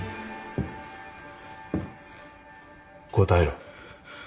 答えろ。